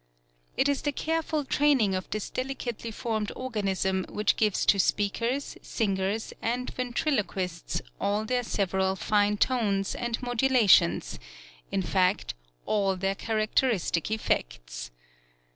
It is the careful training of this delicately formed organ ism which gives to speakers, singers and ventriloquists all their several fine tones, and modulations, in fact, all their character istic effects.